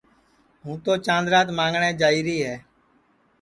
ہوں تو چاند رات مانٚگٹؔے جائیری ہے